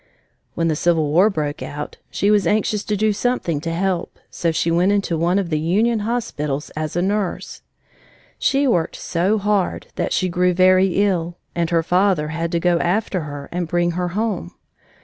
When the Civil War broke out, she was anxious to do something to help, so she went into one of the Union hospitals as a nurse. She worked so hard that she grew very ill, and her father had to go after her and bring her home.